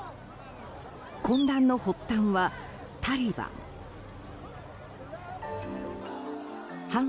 混乱の発端はタリバン。